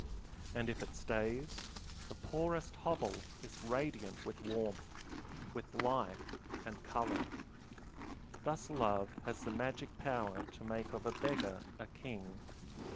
And if it stays, the poorest hovel is radiant with warmth, with life and color. Thus love has the magic power to make of a beggar a king.